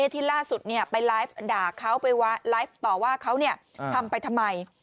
ที่ล่าสุดไปไลฟ์ด่าเขาไปไลฟ์ต่อว่าเขาทำไปทำไม